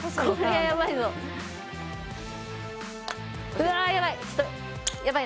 うわやばい！